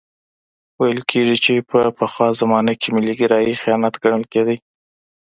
ويل کېږي چي په پخوا زمانه کي ملي ګرايي خيانت ګڼل کېده.